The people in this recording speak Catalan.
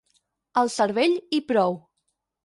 Al cervell i prou.